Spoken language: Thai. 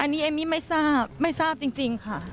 อันนี้เอมมี่ไม่ทราบไม่ทราบจริงค่ะ